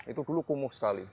itu dulu kumuh sekali